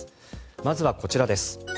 まずはこちらです。